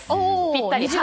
ぴったり。